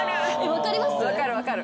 分かります？